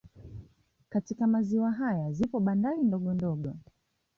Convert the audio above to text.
Katika maziwa haya zipo bandari ndogo ndogo